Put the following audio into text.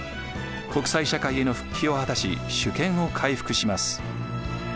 国際社会への復帰を果たし主権を回復します。